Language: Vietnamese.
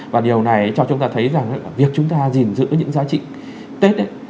và điều này cho chúng ta thấy rằng việc chúng ta gìn giữ những giá trị tết